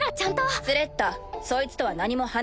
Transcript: スレッタそいつとは何も話すな。